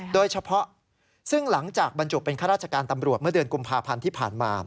โดยเฉพาะซึ่งหลังจากบรรจุเป็นข้าราชการตำรวจเมื่อเดือนกุมภาพันธ์ที่ผ่านมา